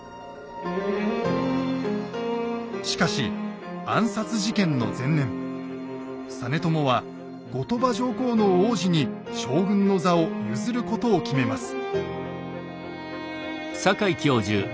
しかし暗殺事件の前年実朝は後鳥羽上皇の皇子に将軍の座を譲ることを決めます。